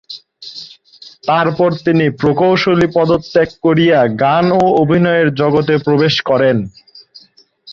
তারপর তিনি প্রকৌশলী পদত্যাগ করিয়া গান ও অভিনয়ের জগতে প্রবেশ করেন।